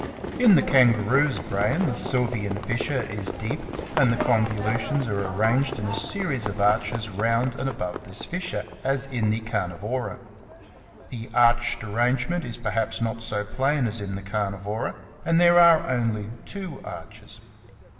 In the Kangaroo's brain the Sylvian fissure is deep and the con volutions are arranged in a series of arches round and above this fissure, as in the Carnivora ; the " arched " arrangement is perhaps not so plain as in the Carnivora, and there are only two arches.